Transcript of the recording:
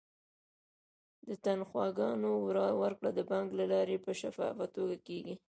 د تنخواګانو ورکړه د بانک له لارې په شفافه توګه کیږي.